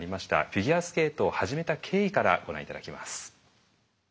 フィギュアスケートを始めた経緯からご覧頂きます。